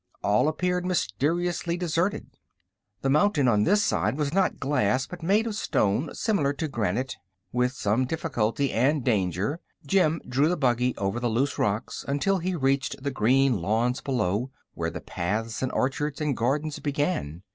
All appeared mysteriously deserted. The mountain on this side was not glass, but made of a stone similar to granite. With some difficulty and danger Jim drew the buggy over the loose rocks until he reached the green lawns below, where the paths and orchards and gardens began.